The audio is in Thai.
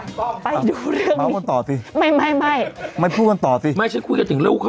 อุ้ยไปดูเรื่องมันต่อสิไม่ไม่ไม่ไม่พูดกันต่อสิไม่คุยกันถึงลูกค่ะ